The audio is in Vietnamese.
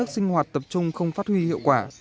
sinh hoạt tập trung không phát huy hiệu quả